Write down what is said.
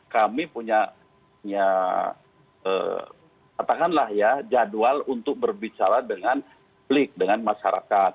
katakanlah ya jadwal untuk berbicara dengan masyarakat